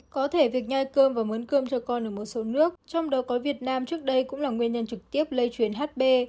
có thể việc nhai cơm và muốn cơm cho con ở một số nước trong đó có việt nam trước đây cũng là nguyên nhân trực tiếp lây truyền hb